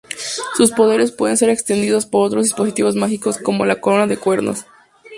Sus poderes pueden ser extendidos por otros dispositivos mágicos, como la Corona de Cuernos.